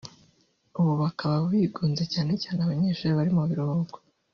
ubu bakaba bigunze cyane cyane abanyeshuli bari mu biruhuko